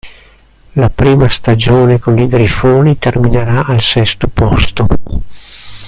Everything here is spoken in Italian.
La prima stagione con i "Grifoni" terminerà al sesto posto.